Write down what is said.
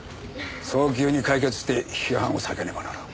早急に解決して批判を避けねばならん。